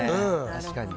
確かに。